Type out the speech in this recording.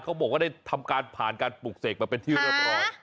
เขาบอกว่าได้ทำการผ่านการปลูกเสกบรรเป็นที่หรือเปอร์